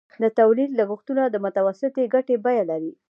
د تولید لګښتونه د متوسطې ګټې بیه لري